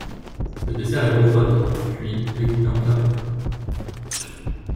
Le dessert est refroidi, puis découpé en carrés.